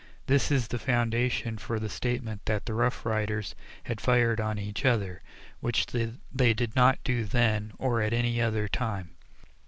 This is the foundation for the statement that the Rough Riders had fired on each other, which they did not do then or at any other time.